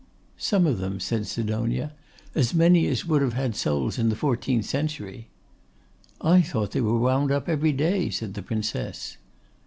'Some of them,' said Sidonia. 'As many as would have had souls in the fourteenth century.' 'I thought they were wound up every day,' said the Princess.